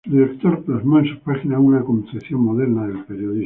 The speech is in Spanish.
Su director plasmó en sus páginas una concepción moderna del periodismo.